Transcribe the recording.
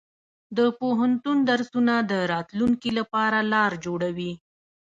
د پوهنتون درسونه د راتلونکي لپاره لار جوړوي.